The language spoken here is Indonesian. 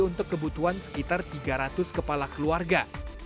untuk kebutuhan sekitar tiga ratus kepala keluarga